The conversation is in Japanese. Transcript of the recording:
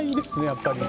やっぱり。